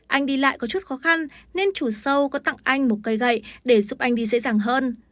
anh đi lại có chút khó khăn nên chủ sâu có tặng anh một cây gậy để giúp anh đi dễ dàng hơn